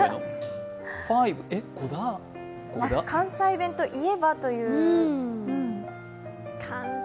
関西弁といえばという。